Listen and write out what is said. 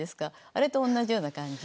あれと同じような感じ。